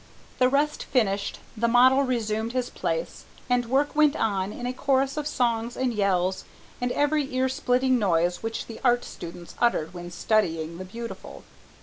The rest finished, the model resumed his place, and work went on in a chorus of songs and yells and every ear splitting noise which the art student utters when studying the beautiful.